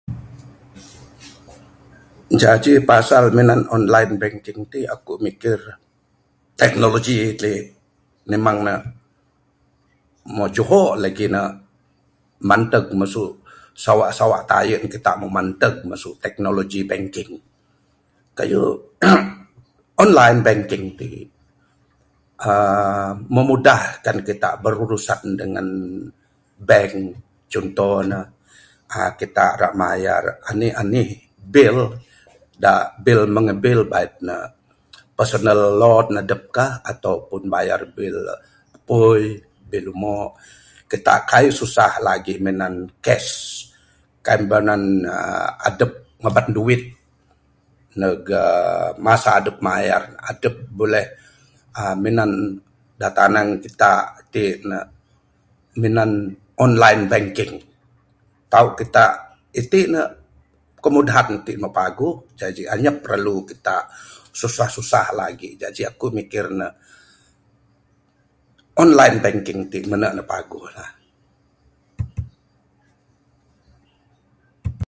Jaji pasal minan online banking ti aku mikir teknologi ti nimang nuh mo juho lagi nuh manteg masu sawa sawa taye kita mo manteg masu teknologi banking. Kayuh emm online banking ti aaa memudahkan kita berurusan dengan bank cunto nuh aaa kita rak mayar anih anih bil da bil mung bait nuh personal loan adup kah atopun bayar bil apui bil umo kita kaii susah lagi minan cash, kan mina aaa adup ngaban duit nug aaa masa adup mayar, adup buleh aaa minan da tanang kita iti nuh minan online banking tau kita iti nuh kemudahan iti mo paguh jaji anyap piralu kita susah susah lagi, jaji aku mikir nuh online banking ti munu nuh paguh lah.